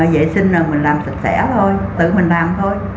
vệ sinh là mình làm sạch sẽ thôi tự mình làm thôi